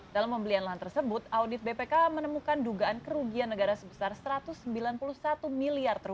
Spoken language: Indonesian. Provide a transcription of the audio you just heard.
dalam pembelian lahan tersebut audit bpk menemukan dugaan kerugian negara sebesar rp satu ratus sembilan puluh satu miliar